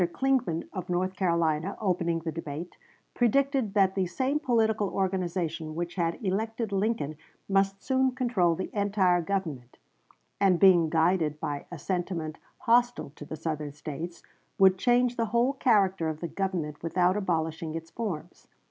Clingman, of North Carolina, opening the debate, predicted that the same political organization which had elected Lincoln must soon control the entire Government, and being guided by a sentiment hostile to the Southern States would change the whole character of the Government without abolishing its forms.